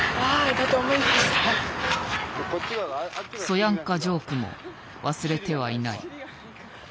そやんかジョークも忘れてはいない。